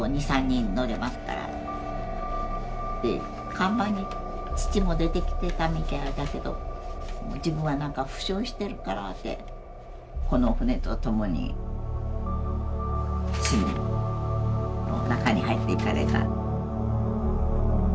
甲板に父も出てきてたみたいだけどもう自分は何か負傷してるからって中に入っていかれたって。